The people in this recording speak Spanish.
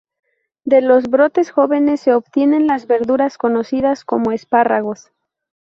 De los brotes jóvenes se obtienen las verduras conocidas como "espárragos".